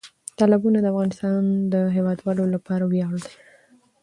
تالابونه د افغانستان د هیوادوالو لپاره ویاړ دی.